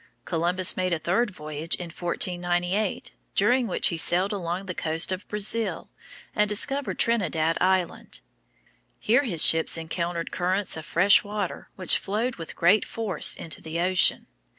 Columbus made a third voyage in 1498, during which he sailed along the coast of Brazil, and discovered Trinidad Island. Here his ships encountered currents of fresh water which flowed with great force into the ocean.